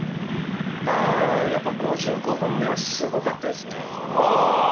やっぱり５５本目はすごかったですね。